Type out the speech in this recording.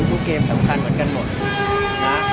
ทุกเกมสำคัญเหมือนกันหมด